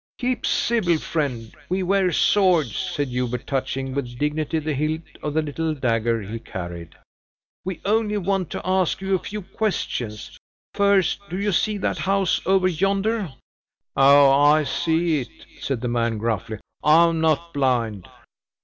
"Keep civil, friend, we wear swords," said Hubert, touching, with dignity, the hilt of the little dagger he carried; "we only want to ask you a few questions. First, do you see that house over yonder?" "Oh! I see it!" said the man gruffly; "I am not blind!"